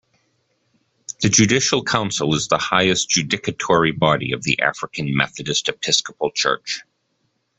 The Judicial Council is the highest judicatory body of the African Methodist Episcopal Church.